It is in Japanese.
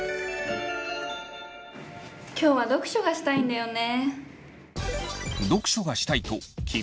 今日は読書がしたいんだよね。